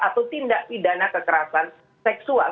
atau tindak pidana kekerasan seksual